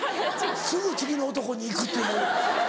すぐ次の男に行くっていう。